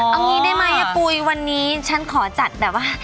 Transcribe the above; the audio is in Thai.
เอางี้ได้ไหมยะปุ๋ยวันนี้ฉันขอจัดแบบว่า